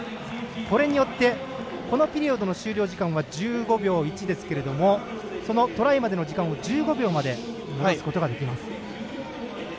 これによってこのピリオドの終了時間は１５秒１ですがトライまでの時間を１５秒まで戻すことができます。